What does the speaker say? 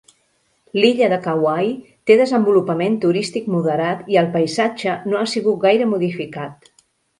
L'illa de Kauai té desenvolupament turístic moderat i el paisatge no ha sigut gaire modificat.